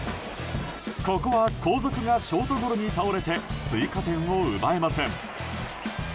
ここは後続がショートゴロに倒れて追加点を奪えません。